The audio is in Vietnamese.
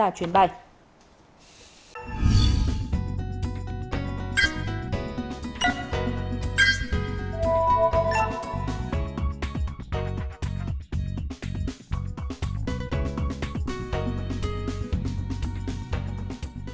các chuyến bay ghi nhận hành khách có biểu hiện sức khỏe bất thường cũng đều được xử lý